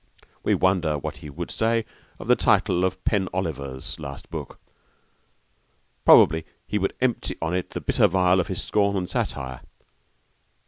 We wonder what he would say to the title of 'Pen Oliver's' last book! Probably he would empty on it the bitter vial of his scorn and satire.